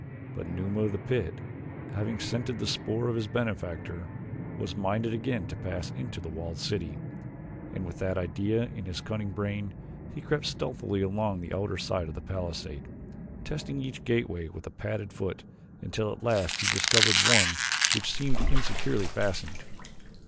But Numa of the pit, having scented the spoor of his benefactor, was minded again to pass into the walled city, and with that idea in his cunning brain he crept stealthily along the outer side of the palisade, testing each gateway with a padded foot until at last he discovered one which seemed insecurely fastened.